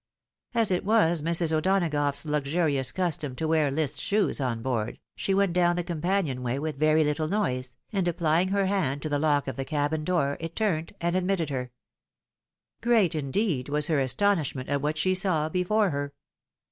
As it was Jlrs. O'Donagough's luxurious custom to wear list shoes on board, she went down the companion way with very little noise, and applying her hand to the lock of the cabin door, it turned and admitted her. Great, indeed, was her astonishment at what she saw before her.